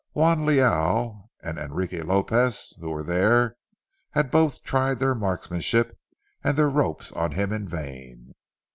Juan Leal and Enrique Lopez, who were there, had both tried their marksmanship and their ropes on him in vain.